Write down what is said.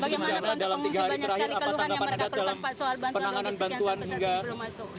soal bantuan logistik yang sampai saat ini belum masuk